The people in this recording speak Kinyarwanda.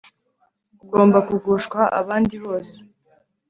ugomba kugushwa abandi bose